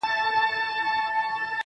ددې ښكلا,